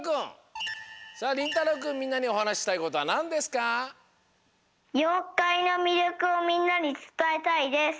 さありんたろうくんみんなにおはなししたいことはなんですか？をみんなにつたえたいです！